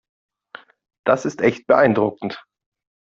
Das ist echt beeindruckend.